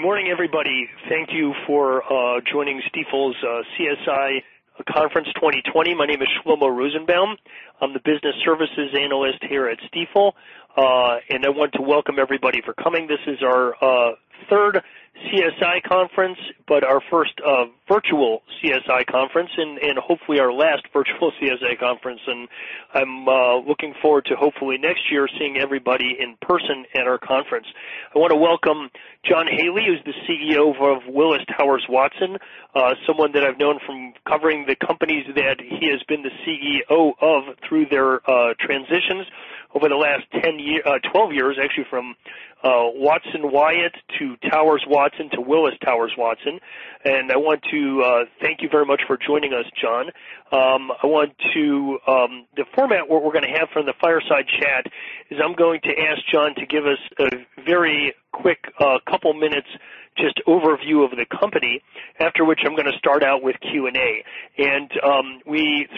Good morning, everybody. Thank you for joining Stifel's CSI Conference 2020. My name is Shlomo Rosenbaum. I'm the business services analyst here at Stifel, and I want to welcome everybody for coming. This is our third CSI conference, but our first virtual CSI conference, and hopefully our last virtual CSI conference, and I'm looking forward to hopefully next year, seeing everybody in person at our conference. I want to welcome John Haley, who's the CEO of Willis Towers Watson, someone that I've known from covering the companies that he has been the CEO of through their transitions over the last 12 years, actually, from Watson Wyatt to Towers Watson to Willis Towers Watson. I want to thank you very much for joining us, John. The format, what we're going to have for the fireside chat is I'm going to ask John to give us a very quick, a couple of minutes, just overview of the company, after which I'm going to start out with Q&A.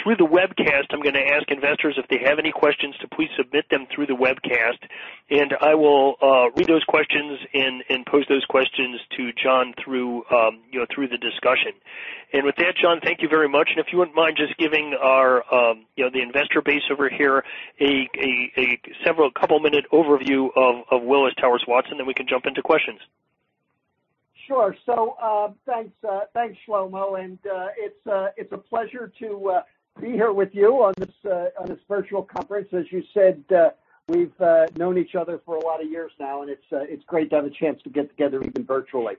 Through the webcast, I'm going to ask investors if they have any questions to please submit them through the webcast, I will read those questions and pose those questions to John through the discussion. With that, John, thank you very much. If you wouldn't mind just giving the investor base over here a couple minute overview of Willis Towers Watson, we can jump into questions. Sure. Thanks Shlomo, it's a pleasure to be here with you on this virtual conference. As you said, we've known each other for a lot of years now, it's great to have a chance to get together even virtually.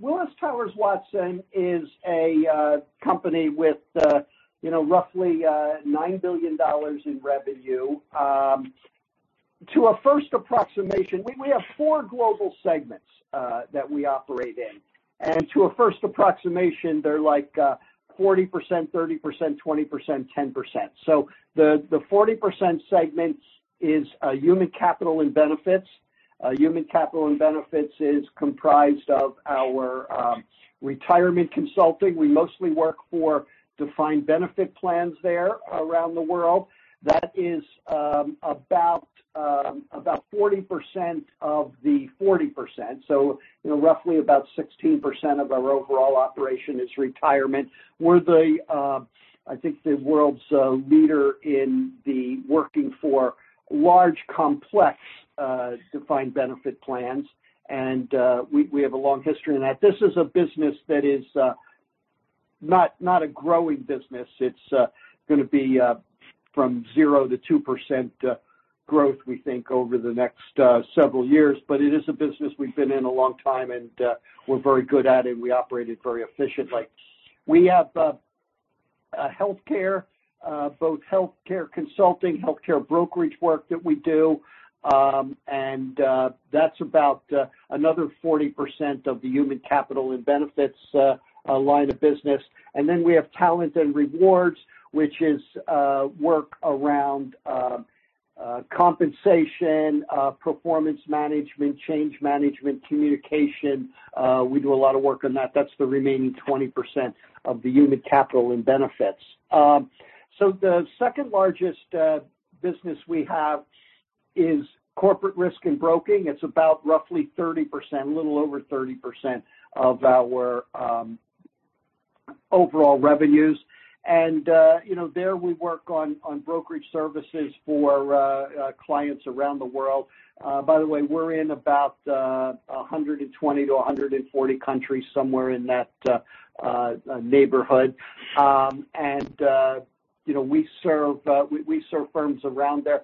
Willis Towers Watson is a company with roughly $9 billion in revenue. We have four global segments that we operate in, to a first approximation, they're like 40%, 30%, 20%, 10%. The 40% segment is Human Capital and Benefits. Human Capital and Benefits is comprised of our retirement consulting. We mostly work for defined benefit plans there around the world. That is about 40% of the 40%. Roughly about 16% of our overall operation is retirement. We're I think the world's leader in the working for large, complex defined benefit plans, we have a long history in that. This is a business that is not a growing business. It's going to be from 0% to 2% growth, we think, over the next several years. It is a business we've been in a long time, we're very good at it. We operate it very efficiently. We have healthcare, both healthcare consulting, healthcare brokerage work that we do, that's about another 40% of the Human Capital and Benefits line of business. We have Talent and Rewards, which is work around compensation, performance management, change management, communication. We do a lot of work on that. That's the remaining 20% of the Human Capital and Benefits. The second largest business we have is Corporate Risk and Broking. It's about roughly 30%, a little over 30% of our overall revenues. There we work on brokerage services for clients around the world. By the way, we're in about 120-140 countries, somewhere in that neighborhood. We serve firms around there.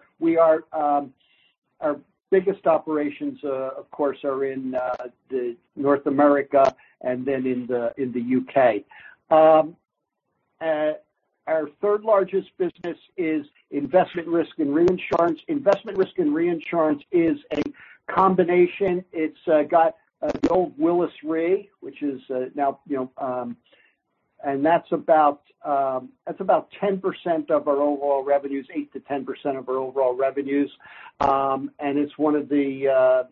Our biggest operations, of course, are in North America and then in the U.K. Our third largest business is investment risk and reinsurance. Investment risk and reinsurance is a combination. It's got the old Willis Re. That's about 10% of our overall revenues, 8%-10% of our overall revenues. It's one of the,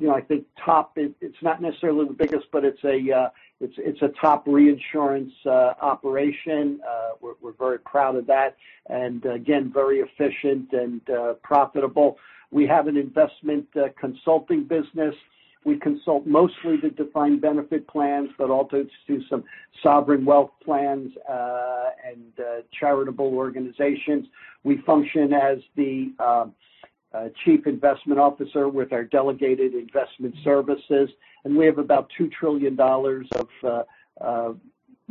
I think top, it's not necessarily the biggest, but it's a top reinsurance operation. We're very proud of that, and again, very efficient and profitable. We have an investment consulting business. We consult mostly the defined benefit plans, but also do some sovereign wealth plans, and charitable organizations. We function as the chief investment officer with our delegated investment services, and we have about $2 trillion of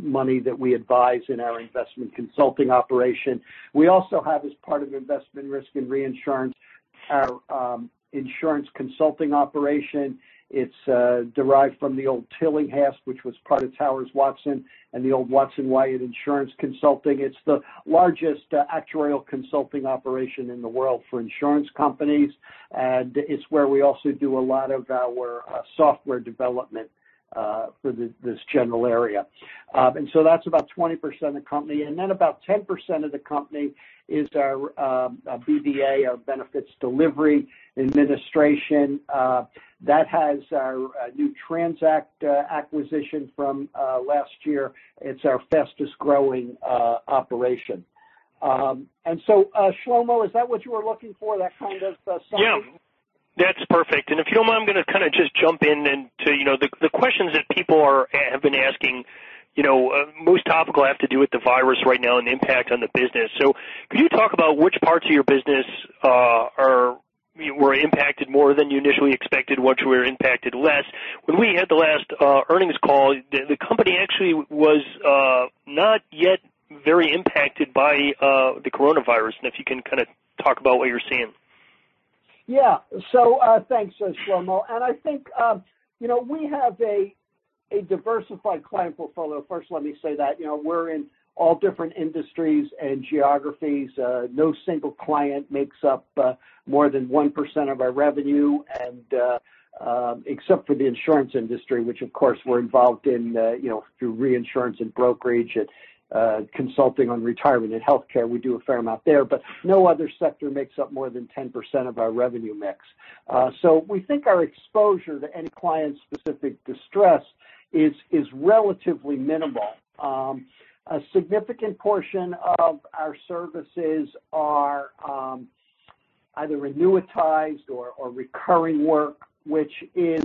money that we advise in our investment consulting operation. We also have, as part of investment risk and reinsurance, our insurance consulting operation. It's derived from the old Tillinghast, which was part of Towers Watson, and the old Watson Wyatt Insurance Consulting. It's the largest actuarial consulting operation in the world for insurance companies, and it's where we also do a lot of our software development, for this general area. That's about 20% of the company. Then about 10% of the company is our BDA, our benefits delivery administration. That has our new TRANZACT acquisition from last year. It's our fastest growing operation. So, Shlomo, is that what you were looking for? That kind of summary? Yeah. That's perfect. If you don't mind, I'm going to kind of just jump into the questions that people have been asking. Most topical have to do with the virus right now and the impact on the business. Could you talk about which parts of your business were impacted more than you initially expected, which were impacted less? When we had the last earnings call, the company actually was not yet very impacted by the coronavirus, and if you can kind of talk about what you're seeing. Yeah. Thanks, Shlomo. I think, we have a diversified client portfolio. First, let me say that. We're in all different industries and geographies. No single client makes up more than 1% of our revenue, except for the insurance industry, which of course, we're involved in through reinsurance and brokerage and consulting on retirement and healthcare. We do a fair amount there, but no other sector makes up more than 10% of our revenue mix. We think our exposure to any client-specific distress is relatively minimal. A significant portion of our services are either annuitized or recurring work, which is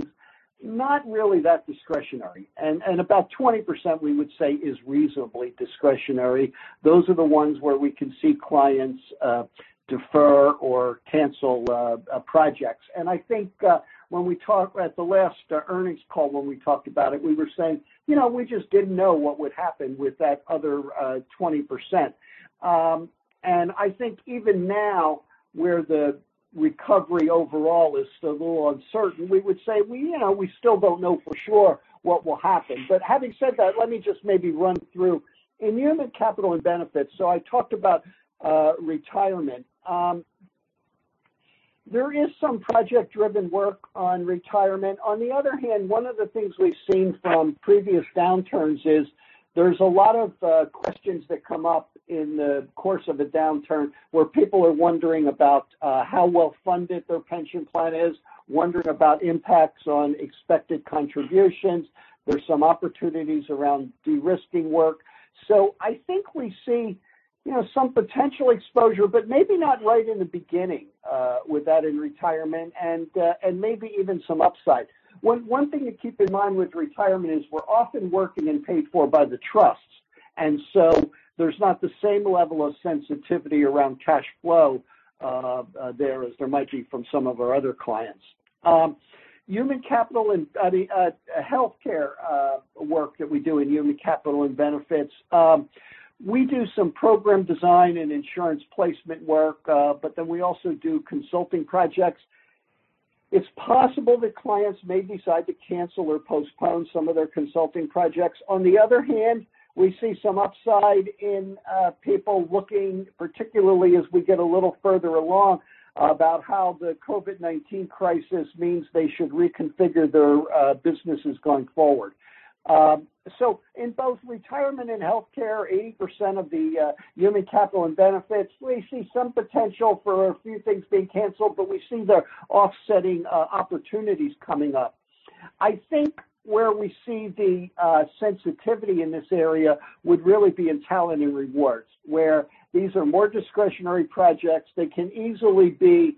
not really that discretionary. About 20%, we would say, is reasonably discretionary. Those are the ones where we can see clients defer or cancel projects. I think at the last earnings call when we talked about it, we were saying, we just didn't know what would happen with that other 20%. I think even now, where the recovery overall is still a little uncertain, we would say, we still don't know for sure what will happen. Having said that, let me just maybe run through. In human capital and benefits, so I talked about retirement. There is some project-driven work on retirement. On the other hand, one of the things we've seen from previous downturns is there's a lot of questions that come up in the course of a downturn where people are wondering about how well-funded their pension plan is, wondering about impacts on expected contributions. There's some opportunities around de-risking work. I think we see some potential exposure, but maybe not right in the beginning with that in retirement, and maybe even some upside. One thing to keep in mind with retirement is we're often working and paid for by the trusts, and so there's not the same level of sensitivity around cash flow there as there might be from some of our other clients. Human capital and healthcare work that we do in human capital and benefits. We do some program design and insurance placement work, but then we also do consulting projects. It's possible that clients may decide to cancel or postpone some of their consulting projects. On the other hand, we see some upside in people looking, particularly as we get a little further along, about how the COVID-19 crisis means they should reconfigure their businesses going forward. In both retirement and healthcare, 80% of the human capital and benefits, we see some potential for a few things being canceled, but we see the offsetting opportunities coming up. I think where we see the sensitivity in this area would really be in talent and rewards, where these are more discretionary projects. They can easily be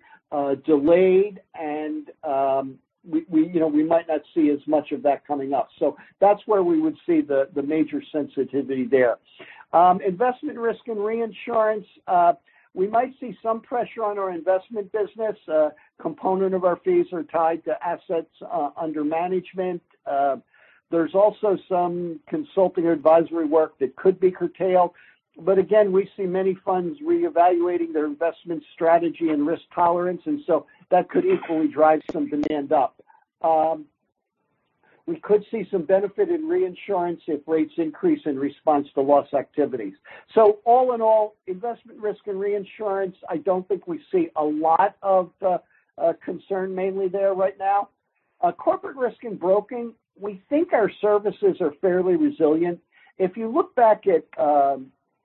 delayed, and we might not see as much of that coming up. That's where we would see the major sensitivity there. Investment risk and reinsurance. We might see some pressure on our investment business. A component of our fees are tied to assets under management. There's also some consulting advisory work that could be curtailed. Again, we see many funds reevaluating their investment strategy and risk tolerance, and so that could equally drive some demand up. We could see some benefit in reinsurance if rates increase in response to loss activities. All in all, investment risk and reinsurance, I don't think we see a lot of concern mainly there right now. Corporate risk and broking, we think our services are fairly resilient. If you look back at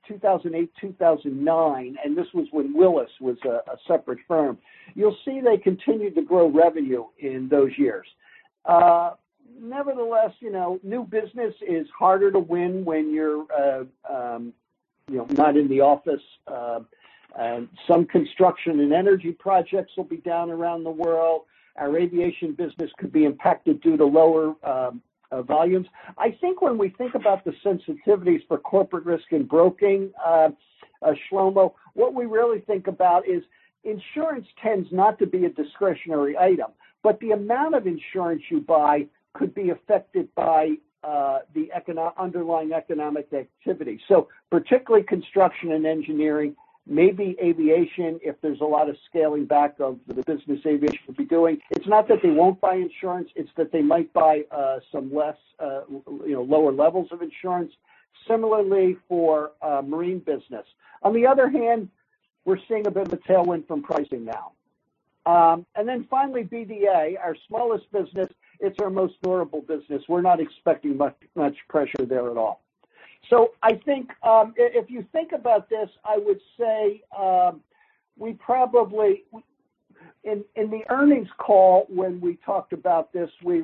2008, 2009, and this was when Willis was a separate firm, you'll see they continued to grow revenue in those years. Nevertheless, new business is harder to win when you're not in the office. Some construction and energy projects will be down around the world. Our aviation business could be impacted due to lower volumes. I think when we think about the sensitivities for corporate risk and broking, Shlomo, what we really think about is insurance tends not to be a discretionary item. The amount of insurance you buy could be affected by the underlying economic activity. Particularly construction and engineering, maybe aviation, if there's a lot of scaling back of the business aviation would be doing. It's not that they won't buy insurance, it's that they might buy some lower levels of insurance. Similarly for marine business. On the other hand, we're seeing a bit of a tailwind from pricing now. Finally, BDA, our smallest business, it's our most durable business. We're not expecting much pressure there at all. I think, if you think about this, I would say In the earnings call, when we talked about this, we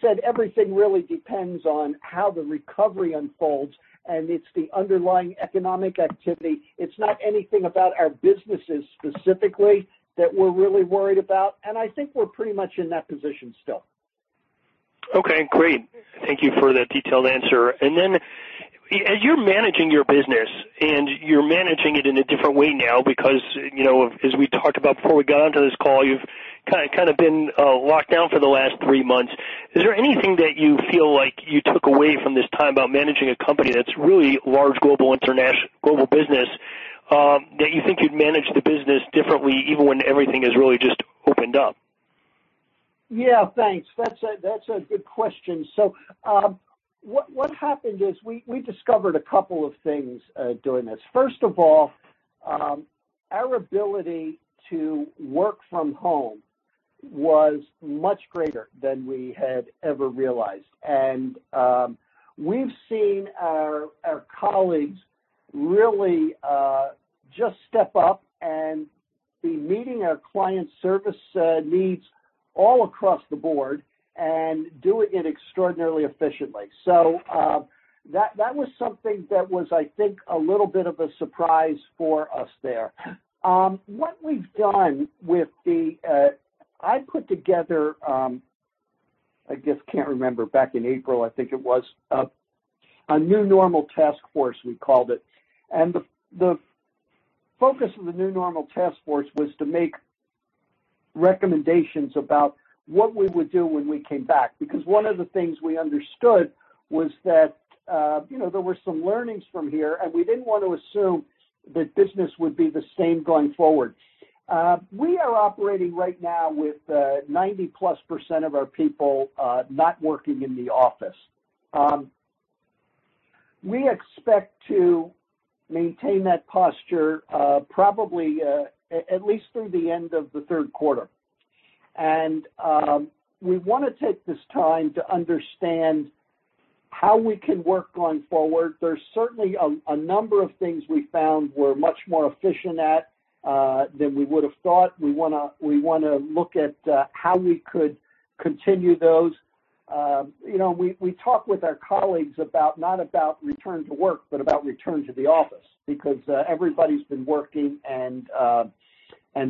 said everything really depends on how the recovery unfolds, and it's the underlying economic activity. It's not anything about our businesses specifically that we're really worried about, and I think we're pretty much in that position still. Okay, great. Thank you for that detailed answer. As you're managing your business and you're managing it in a different way now because, as we talked about before we got onto this call, you've been locked down for the last three months. Is there anything that you feel like you took away from this time about managing a company that's really large global business, that you think you'd manage the business differently even when everything is really just opened up? Yeah, thanks. That's a good question. What happened is we discovered a couple of things during this. First of all, our ability to work from home was much greater than we had ever realized. We've seen our colleagues really just step up and be meeting our client service needs all across the board and doing it extraordinarily efficiently. That was something that was, I think, a little bit of a surprise for us there. I put together, I just can't remember, back in April, I think it was, a New Normal Task Force we called it. The focus of the New Normal Task Force was to make recommendations about what we would do when we came back. One of the things we understood was that there were some learnings from here, and we didn't want to assume that business would be the same going forward. We are operating right now with 90%-plus of our people not working in the office. We expect to maintain that posture probably at least through the end of the third quarter. We want to take this time to understand how we can work going forward. There's certainly a number of things we found we're much more efficient at than we would've thought. We want to look at how we could continue those. We talk with our colleagues not about return to work, but about return to the office because everybody's been working and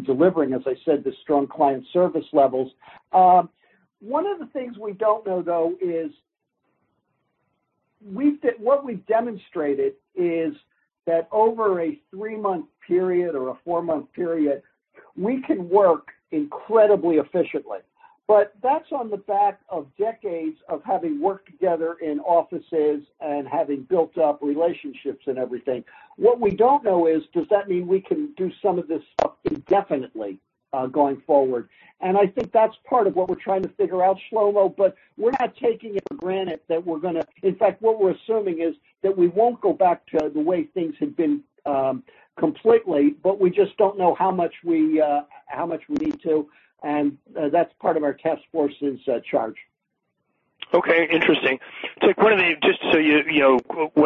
delivering, as I said, the strong client service levels. One of the things we don't know, though, is what we've demonstrated is that over a three-month period or a four-month period, we can work incredibly efficiently. That's on the back of decades of having worked together in offices and having built up relationships and everything. What we don't know is, does that mean we can do some of this stuff indefinitely going forward? I think that's part of what we're trying to figure out, Shlomo, but we're not taking it for granted. In fact, what we're assuming is that we won't go back to the way things had been completely, but we just don't know how much we need to, and that's part of our task force's charge. Okay, interesting. When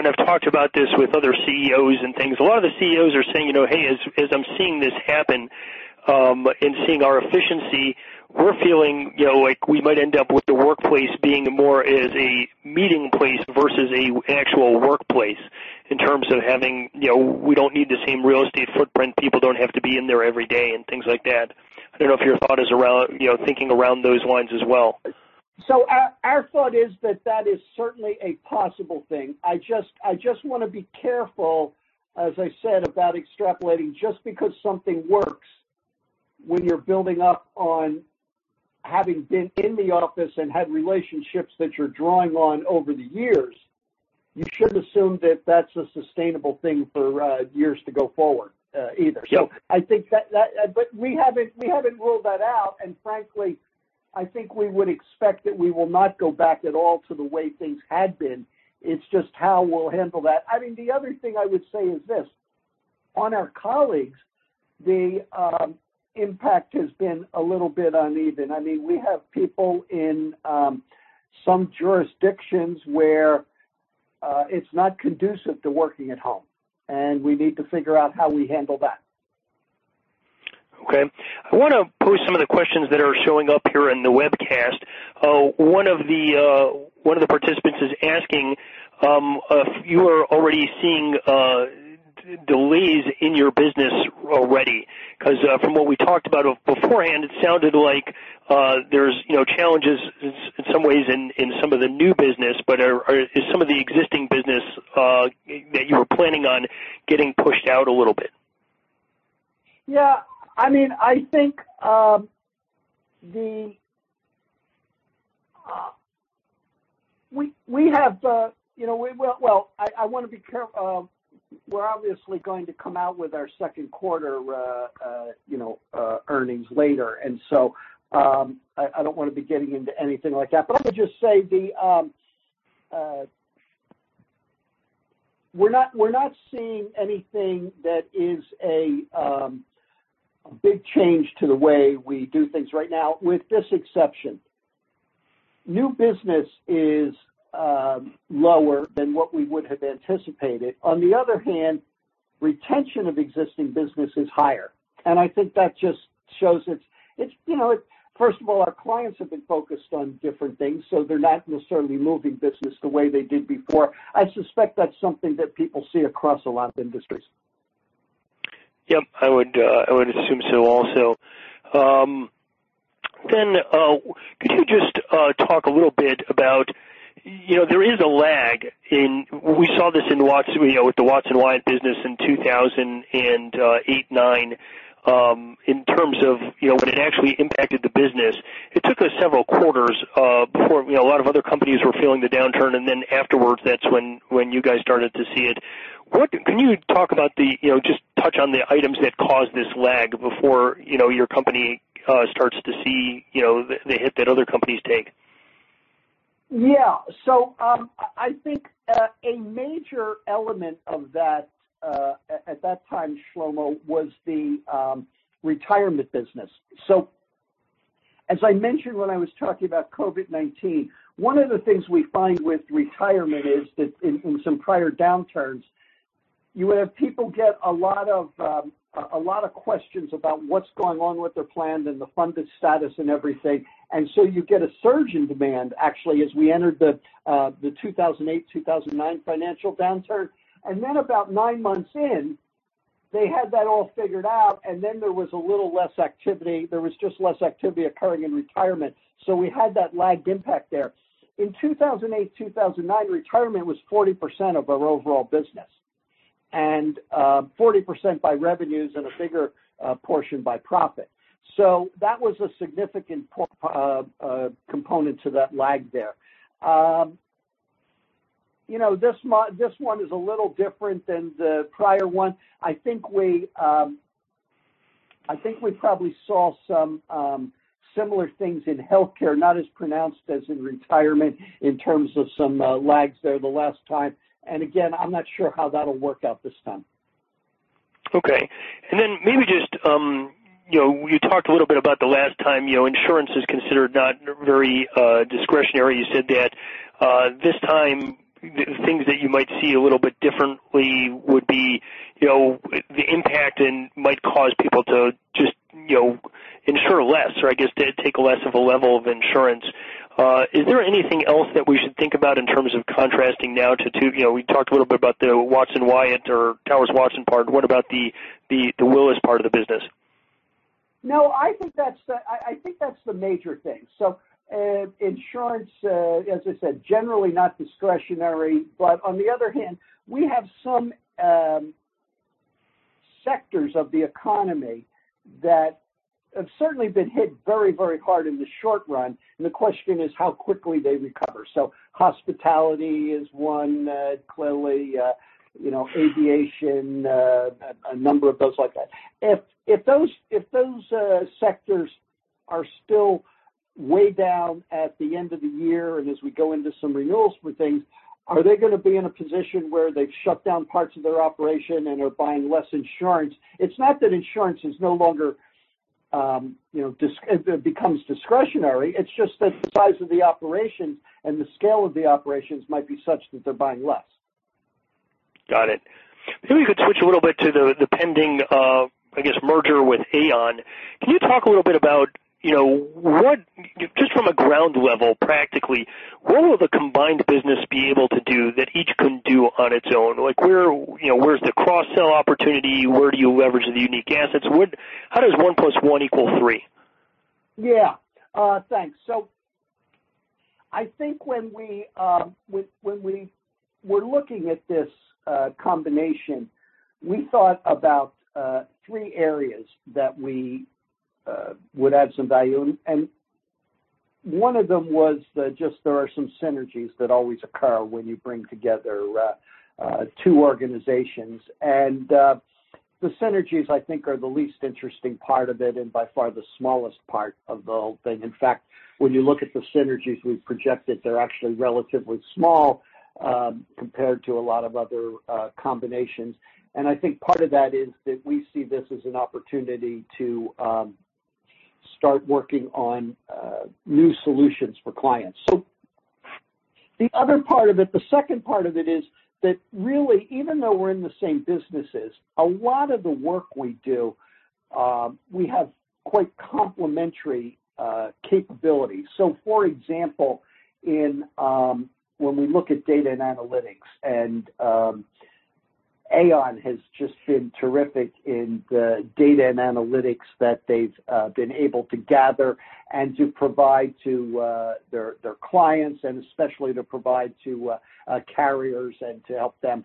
I've talked about this with other CEOs and things, a lot of the CEOs are saying, "Hey, as I'm seeing this happen, and seeing our efficiency, we're feeling like we might end up with the workplace being more as a meeting place versus an actual workplace in terms of we don't need the same real estate footprint, people don't have to be in there every day," and things like that. I don't know if you're thinking around those lines as well. Our thought is that that is certainly a possible thing. I just want to be careful, as I said, about extrapolating just because something works when you're building up on having been in the office and had relationships that you're drawing on over the years. You shouldn't assume that that's a sustainable thing for years to go forward either. We haven't ruled that out, and frankly, I think we would expect that we will not go back at all to the way things had been. It's just how we'll handle that. The other thing I would say is this. On our colleagues, the impact has been a little bit uneven. We have people in some jurisdictions where it's not conducive to working at home, and we need to figure out how we handle that. Okay. I want to pose some of the questions that are showing up here in the webcast. One of the participants is asking if you are already seeing delays in your business already. From what we talked about beforehand, it sounded like there's challenges in some ways in some of the new business. Is some of the existing business that you were planning on getting pushed out a little bit? Yeah. We're obviously going to come out with our second quarter earnings later. I don't want to be getting into anything like that. Let me just say we're not seeing anything that is a big change to the way we do things right now, with this exception. New business is lower than what we would have anticipated. On the other hand, retention of existing business is higher. I think that just shows first of all, our clients have been focused on different things, so they're not necessarily moving business the way they did before. I suspect that's something that people see across a lot of industries. Yep. I would assume so also. Could you just talk a little bit about, there is a lag in, we saw this with the Watson Wyatt business in 2008, 2009, in terms of when it actually impacted the business. It took us several quarters before a lot of other companies were feeling the downturn, and then afterwards, that's when you guys started to see it. Can you just touch on the items that caused this lag before your company starts to see the hit that other companies take? Yeah. I think a major element of that, at that time, Shlomo, was the retirement business. As I mentioned when I was talking about COVID-19, one of the things we find with retirement is that in some prior downturns, you have people get a lot of questions about what's going on with their plans and the funded status and everything. You get a surge in demand, actually, as we entered the 2008-2009 financial downturn. About nine months in, they had that all figured out, and then there was a little less activity. There was just less activity occurring in retirement. We had that lagged impact there. In 2008-2009, retirement was 40% of our overall business, and 40% by revenues and a bigger portion by profit. That was a significant component to that lag there. This one is a little different than the prior one. I think we probably saw some similar things in healthcare, not as pronounced as in retirement in terms of some lags there the last time. Again, I'm not sure how that'll work out this time. Okay. Maybe just, you talked a little bit about the last time, insurance is considered not very discretionary. You said that this time, the things that you might see a little bit differently would be the impact and might cause people to just insure less or I guess, take less of a level of insurance. Is there anything else that we should think about in terms of contrasting now to, we talked a little bit about the Watson Wyatt or Towers Watson part. What about the Willis part of the business? No, I think that's the major thing. Insurance, as I said, generally not discretionary, but on the other hand, we have some sectors of the economy that have certainly been hit very hard in the short run, and the question is how quickly they recover. Hospitality is one, clearly, aviation, a number of those like that. If those sectors are still way down at the end of the year and as we go into some renewals with things, are they going to be in a position where they've shut down parts of their operation and are buying less insurance? It's not that insurance becomes discretionary. It's just that the size of the operations and the scale of the operations might be such that they're buying less. Got it. Maybe we could switch a little bit to the pending, I guess, merger with Aon. Can you talk a little bit about just from a ground level, practically, what will the combined business be able to do that each couldn't do on its own? Where's the cross-sell opportunity? Where do you leverage the unique assets? How does one plus one equal three? Yeah. Thanks. I think when we were looking at this combination, we thought about three areas that we would add some value in. One of them was just there are some synergies that always occur when you bring together two organizations. The synergies, I think, are the least interesting part of it and by far the smallest part of the whole thing. In fact, when you look at the synergies we've projected, they're actually relatively small compared to a lot of other combinations. I think part of that is that we see this as an opportunity to start working on new solutions for clients. The other part of it, the second part of it is that really, even though we're in the same businesses, a lot of the work we do, we have quite complementary capabilities. For example, when we look at data and analytics, Aon has just been terrific in the data and analytics that they've been able to gather and to provide to their clients and especially to provide to carriers and to help them.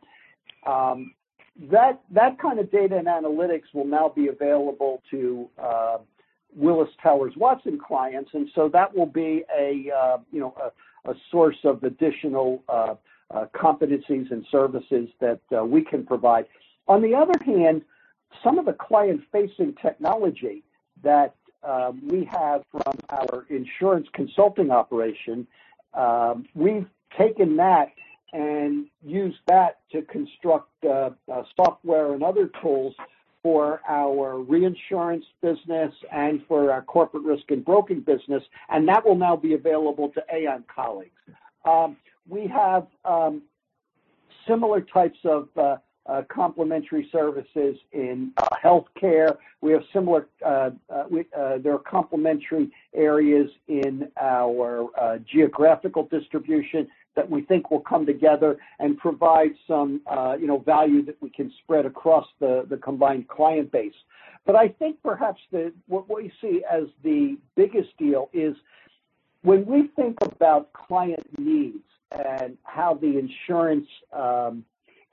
That kind of data and analytics will now be available to Willis Towers Watson clients, that will be a source of additional competencies and services that we can provide. On the other hand, some of the client-facing technology that we have from our insurance consulting operation, we've taken that Use that to construct software and other tools for our reinsurance business and for our corporate risk and broking business, that will now be available to Aon colleagues. We have similar types of complementary services in healthcare. There are complementary areas in our geographical distribution that we think will come together and provide some value that we can spread across the combined client base. I think perhaps what we see as the biggest deal is when we think about client needs and how the insurance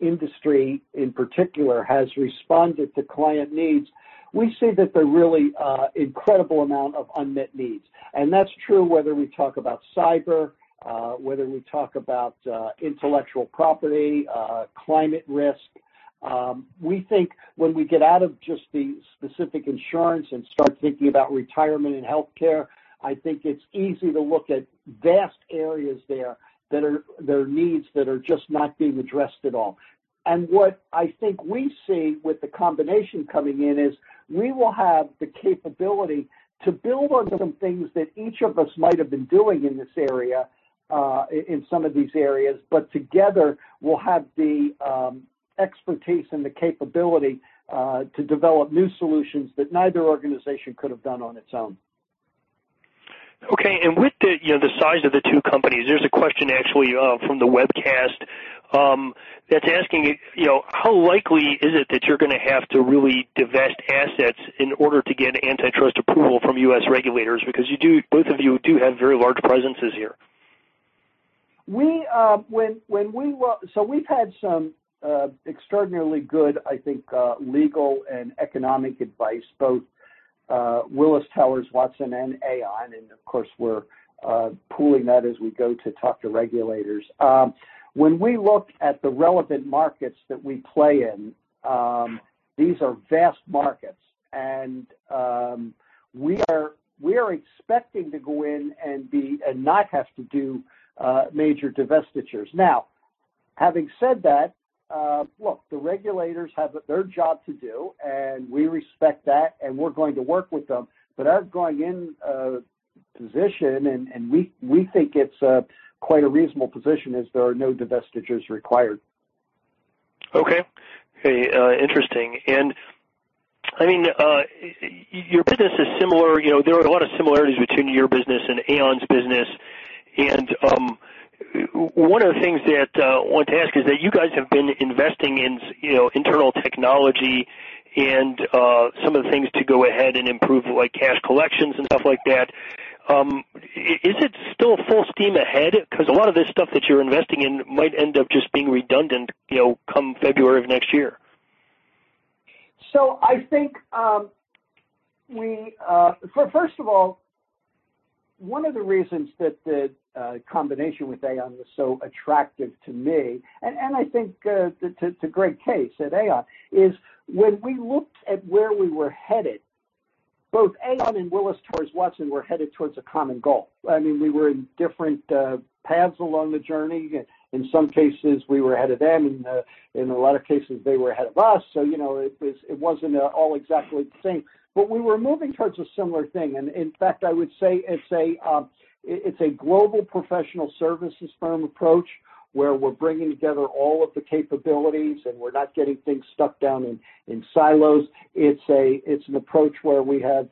industry, in particular, has responded to client needs, we see that there are really incredible amount of unmet needs. That's true whether we talk about cyber, whether we talk about intellectual property, climate risk. We think when we get out of just the specific insurance and start thinking about retirement and healthcare, I think it's easy to look at vast areas there that are needs that are just not being addressed at all. What I think we see with the combination coming in is we will have the capability to build on some things that each of us might have been doing in some of these areas. Together, we'll have the expertise and the capability to develop new solutions that neither organization could have done on its own. Okay. With the size of the two companies, there's a question actually from the webcast that's asking, how likely is it that you're going to have to really divest assets in order to get antitrust approval from U.S. regulators? Because both of you do have very large presences here. We've had some extraordinarily good, I think, legal and economic advice, both Willis Towers Watson and Aon. Of course, we're pooling that as we go to talk to regulators. When we look at the relevant markets that we play in, these are vast markets. We are expecting to go in and not have to do major divestitures. Now, having said that, look, the regulators have their job to do, and we respect that. We're going to work with them. Our going in position, and we think it's quite a reasonable position, is there are no divestitures required. Okay. Interesting. Your business is similar. There are a lot of similarities between your business and Aon's business. One of the things that I want to ask is that you guys have been investing in internal technology and some of the things to go ahead and improve, like cash collections and stuff like that. Is it still full steam ahead? Because a lot of this stuff that you're investing in might end up just being redundant come February of next year. I think, first of all, one of the reasons that the combination with Aon was so attractive to me, and I think it's a great case at Aon, is when we looked at where we were headed, both Aon and Willis Towers Watson were headed towards a common goal. We were in different paths along the journey. In some cases, we were ahead of them. In a lot of cases, they were ahead of us. It wasn't all exactly the same, but we were moving towards a similar thing. In fact, I would say it's a global professional services firm approach, where we're bringing together all of the capabilities, and we're not getting things stuck down in silos. It's an approach where we have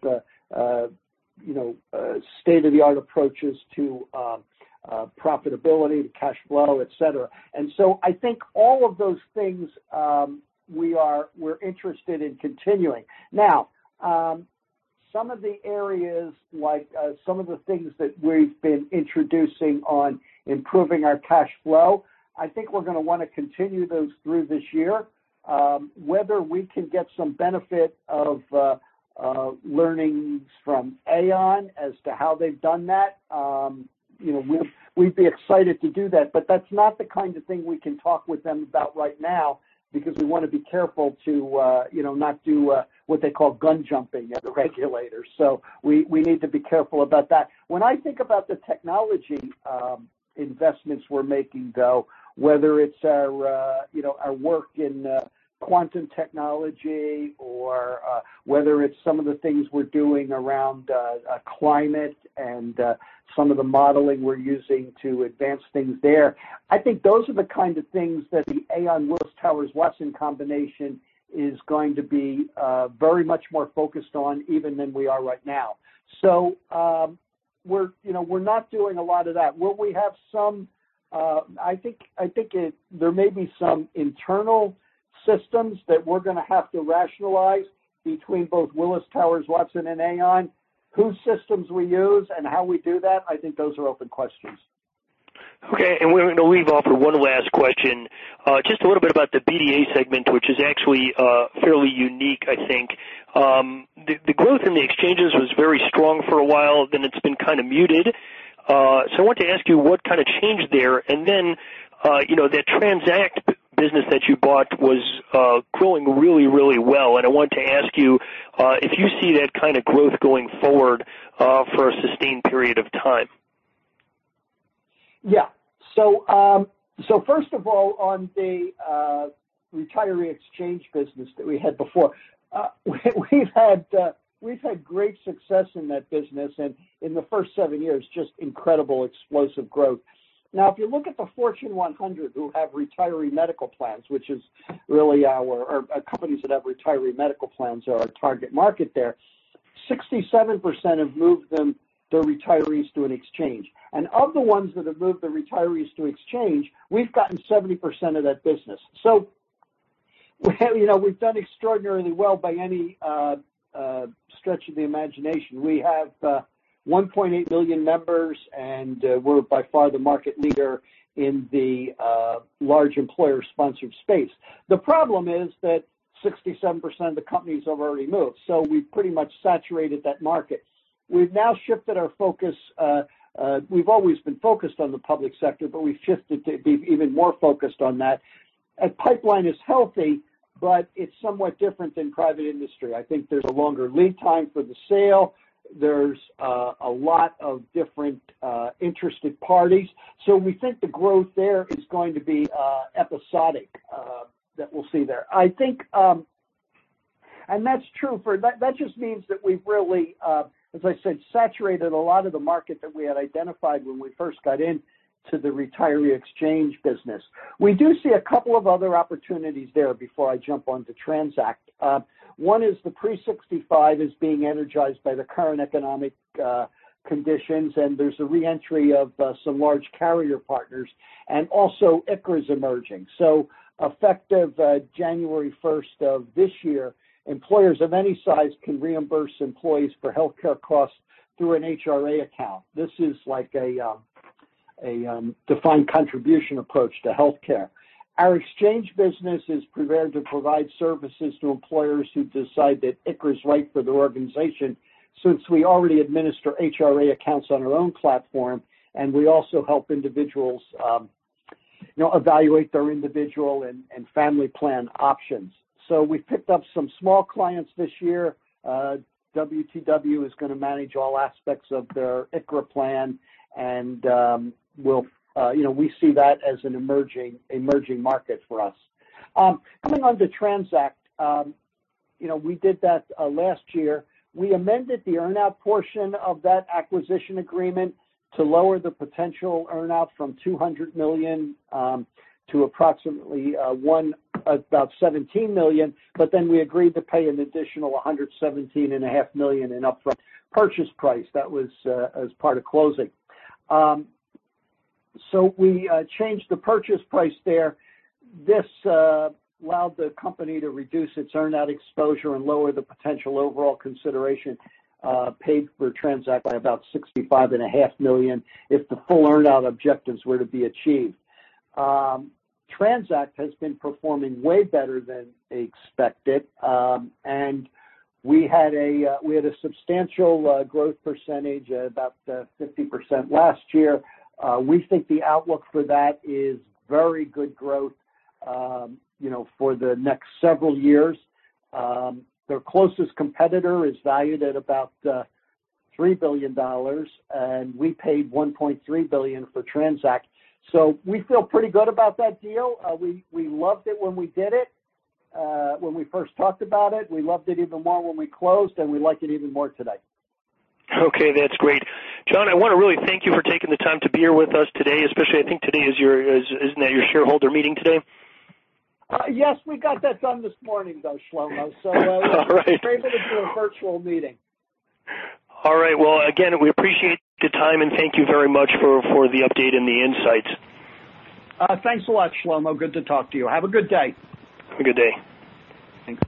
state-of-the-art approaches to profitability, to cash flow, et cetera. I think all of those things we're interested in continuing. Now, some of the areas, like some of the things that we've been introducing on improving our cash flow, I think we're going to want to continue those through this year. Whether we can get some benefit of learnings from Aon as to how they've done that, we'd be excited to do that. That's not the kind of thing we can talk with them about right now, because we want to be careful to not do what they call gun jumping at the regulators. We need to be careful about that. When I think about the technology investments we're making, though, whether it's our work in quantum technology or whether it's some of the things we're doing around climate and some of the modeling we're using to advance things there, I think those are the kind of things that the Aon-Willis Towers Watson combination is going to be very much more focused on even than we are right now. We're not doing a lot of that. I think there may be some internal systems that we're going to have to rationalize between both Willis Towers Watson and Aon, whose systems we use and how we do that, I think those are open questions. Okay. We're going to leave off with one last question. Just a little bit about the BDA segment, which is actually fairly unique, I think. The growth in the exchanges was very strong for a while, then it's been kind of muted. I want to ask you what kind of change there, and then that TRANZACT business that you bought was growing really, really well. I wanted to ask you if you see that kind of growth going forward for a sustained period of time. Yeah. First of all, on the retiree exchange business that we had before, we've had great success in that business and in the first seven years, just incredible explosive growth. Now, if you look at the Fortune 100 who have retiree medical plans, companies that have retiree medical plans are our target market there, 67% have moved their retirees to an exchange. Of the ones that have moved their retirees to exchange, we've gotten 70% of that business. We've done extraordinarily well by any stretch of the imagination. We have 1.8 million members, and we're by far the market leader in the large employer-sponsored space. The problem is that 67% of the companies have already moved, so we've pretty much saturated that market. We've always been focused on the public sector, but we've shifted to be even more focused on that. Our pipeline is healthy, but it's somewhat different than private industry. I think there's a longer lead time for the sale. There's a lot of different interested parties. We think the growth there is going to be episodic that we'll see there. That just means that we've really, as I said, saturated a lot of the market that we had identified when we first got into the retiree exchange business. We do see a couple of other opportunities there before I jump onto TRANZACT. One is the pre-65 is being energized by the current economic conditions, and there's a re-entry of some large carrier partners. Also ICHRA is emerging, so effective January 1st of this year, employers of any size can reimburse employees for healthcare costs through an HRA account. This is like a defined contribution approach to healthcare. Our exchange business is prepared to provide services to employers who decide that ICHRA is right for their organization, since we already administer HRA accounts on our own platform, and we also help individuals evaluate their individual and family plan options. We've picked up some small clients this year. WTW is going to manage all aspects of their ICHRA plan. We see that as an emerging market for us. Coming on to TRANZACT, we did that last year. We amended the earn-out portion of that acquisition agreement to lower the potential earn-out from $200 million to approximately about $117 million. We agreed to pay an additional $117.5 million in upfront purchase price. That was as part of closing. We changed the purchase price there. This allowed the company to reduce its earn-out exposure and lower the potential overall consideration paid for TRANZACT by about $65.5 million if the full earn-out objectives were to be achieved. TRANZACT has been performing way better than expected. We had a substantial growth percentage, about 50% last year. We think the outlook for that is very good growth for the next several years. Their closest competitor is valued at about $3 billion, and we paid $1.3 billion for TRANZACT. We feel pretty good about that deal. We loved it when we did it, when we first talked about it. We loved it even more when we closed, and we like it even more today. Okay. That's great. John, I want to really thank you for taking the time to be here with us today, especially, I think today, isn't that your shareholder meeting today? Yes, we got that done this morning, though, Shlomo. All right we were able to do a virtual meeting. All right. Well, again, we appreciate the time, and thank you very much for the update and the insights. Thanks a lot, Shlomo. Good to talk to you. Have a good day. Have a good day. Thanks.